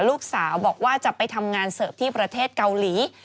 ลูกสาวบอกว่าจะไปทำงานเสิร์ฟที่ประเทศเกาหลี